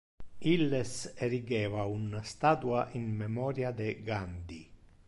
Illes erigeva un statua in memoria de Gandhi.